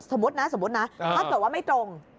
สมมุตินะถ้าตรวจว่าไม่ตรง